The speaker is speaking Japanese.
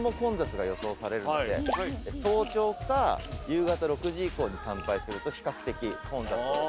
早朝か夕方６時以降に参拝すると比較的混雑を回避できる。